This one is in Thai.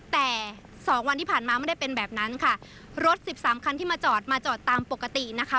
แต่สองวันที่ผ่านมาไม่ได้เป็นแบบนั้นค่ะรถสิบสามคันที่มาจอดมาจอดตามปกตินะคะ